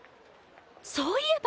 そういえば！